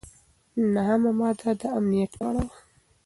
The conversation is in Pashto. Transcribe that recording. نهمه ماده د امنیت په اړه وه.